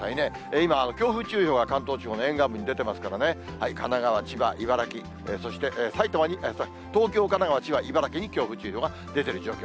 今、強風注意報が関東地方の沿岸部に出てますからね、神奈川、千葉、茨城、そして、埼玉に、東京、神奈川、千葉、茨城に強風注意報が出ている状況。